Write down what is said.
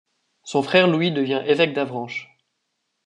Son frère Louis devient évêque d'Avranches.